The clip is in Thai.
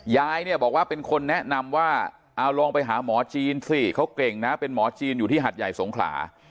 ยายเนี่ยบอกว่าเป็นคนแนะนำว่าเอาลองไปหาหมอจีนสิเขาเก่งนะเป็นหมอจีนอยู่ที่หัดใหญ่สงขลา